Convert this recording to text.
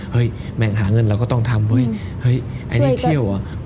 เฮ้ยแม่งหาเงินเราก็ต้องทำเฮ้ยไอ้นี่เที่ยวอ่ะ